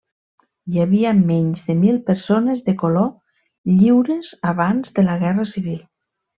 Hi havia menys de mil persones de color lliures abans de la Guerra Civil.